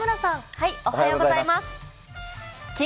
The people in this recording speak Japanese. おはようございます。